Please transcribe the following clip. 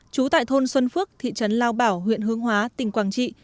trú tại thôn xuân phước thị trấn lao bảo huyện hương hóa tỉnh quảng trị